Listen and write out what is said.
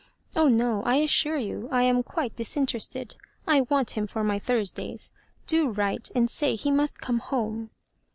Oh no ; I assure you I am quite dis interested. I want him for my Thursday's. Do write, and say he must come home."